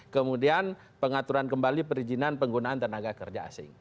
kemudian pengaturan kembali perizinan penggunaan tenaga kerja asing